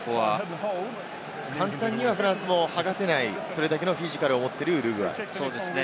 簡単にはフランスもはがせない、それだけのフィジカルを持っているウルグアイ。